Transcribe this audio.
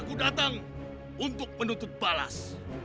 aku datang untuk menutup balas